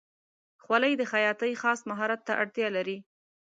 خولۍ د خیاطۍ خاص مهارت ته اړتیا لري.